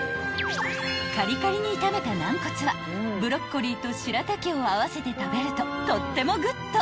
［カリカリに炒めたナンコツはブロッコリーとしらたきを合わせて食べるととってもグッド］